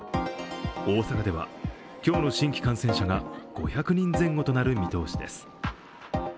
大阪では今日の新規感染者が５００人前後となる見通しです。